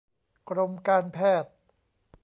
กรมการแพทย์